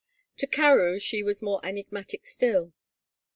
To Carewe she was more enigmatic still.